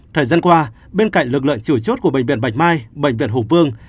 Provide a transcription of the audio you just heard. thời gian qua bên cạnh lực lượng chủ chốt của bệnh viện bạch mai bệnh viện hùng vương